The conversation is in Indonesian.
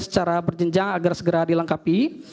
secara berjenjang agar segera dilengkapi